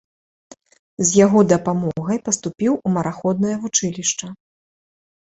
З яго дапамогай паступіў у мараходнае вучылішча.